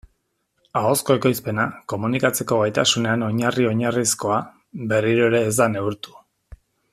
Ahozko ekoizpena, komunikatzeko gaitasunean oinarri-oinarrizkoa, berriro ere ez da neurtu.